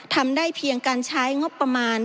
ทำได้เพียงการใช้งบประมาณ